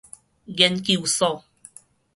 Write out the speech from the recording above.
研究所